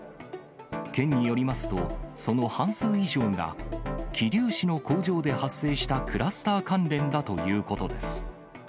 県によりますと、その半数以上が、桐生市の工場で発生したクラスター関連だということです。